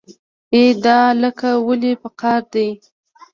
ای دا الک ولې په قار دی.